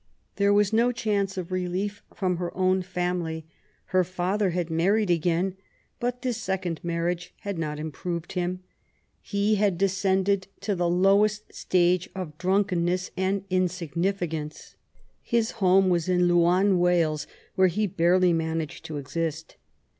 There was no chance of relief from her own family* Her father had married again, but his second marriage had not improved him. He had descended to the lowest stage of drunkenness and insignificance. Hi& home was in Laugharne^ Wales, where he barely managed to exist.